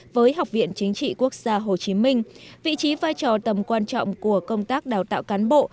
với học viện chính trị quốc gia hồ chí minh vị trí vai trò tầm quan trọng của công tác đào tạo cán bộ